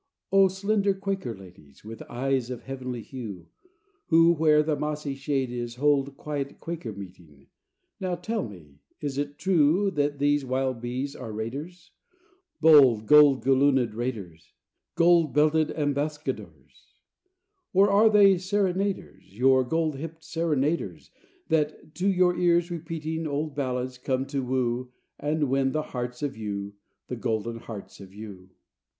O slender Quaker ladies, With eyes of heavenly hue, Who, where the mossy shade is, Hold quiet Quaker meeting, Now tell me, is it true That these wild bees are raiders? Bold gold galloonéd raiders? Gold belted ambuscaders? Or are they serenaders, Your gold hipped serenaders, That, to your ears repeating Old ballads, come to woo, And win the hearts of you, The golden hearts of you?